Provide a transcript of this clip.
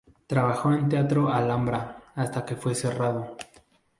Trabajó en Teatro Alhambra hasta que fue cerrado.